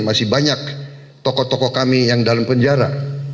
masih banyak tokoh tokoh kami yang dalam penjara